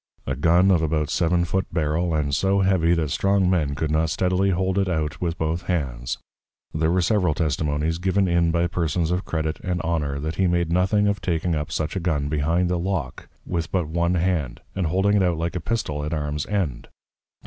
A Gun of about seven foot Barrel, and so heavy that strong Men could not steadily hold it out with both hands; there were several Testimonies, given in by Persons of Credit and Honor, that he made nothing of taking up such a Gun behind the Lock, with but one hand, and holding it out like a Pistol, at Arms end.